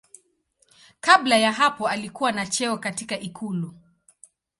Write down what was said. Kabla ya hapo alikuwa na cheo katika ikulu.